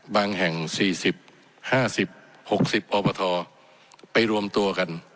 บางแห่งสี่สิบห้าสิบหกสิบอบทไปรวมตัวกัน